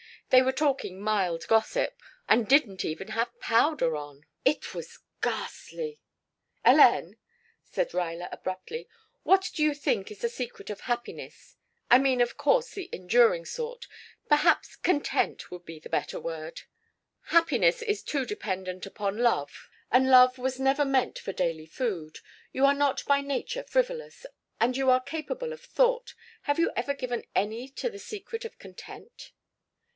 They were talking mild gossip, and didn't even have powder on. It was ghastly " "Hélène," said Ruyler abruptly, "what do you think is the secret of happiness I mean, of course, the enduring sort perhaps content would be the better word. Happiness is too dependent upon love, and love was never meant for daily food. You are not by nature frivolous, and you are capable of thought. Have you ever given any to the secret of content?"